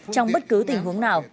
trong bất cứ tình huống nào